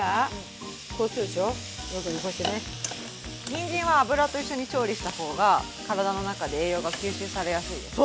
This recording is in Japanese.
にんじんは油と一緒に調理した方が体の中で栄養が吸収されやすいです。